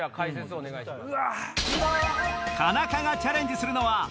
お願いします。